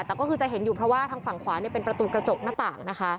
แต่ก็คือจะเห็นอยู่เพราะว่าทางฝั่งขวาเป็นประตูกระจกหน้าต่างนะคะ